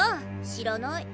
知らない。